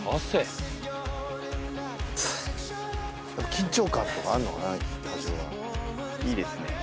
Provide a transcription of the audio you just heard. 緊張感とかあんのかな多少はいいですね